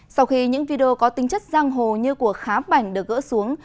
sau khi những video có tính chất giang hồ như của khám bảnh được gỡ xuống